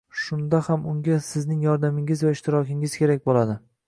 shunda ham unga sizning yordamingiz va ishtirokingiz kerak bo‘ladi.